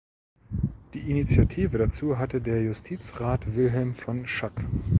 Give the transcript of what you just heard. Die Initiative dazu hatte der Justizrat Wilhelm von Schack.